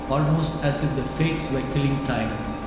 Almost as if the Fates were killing time.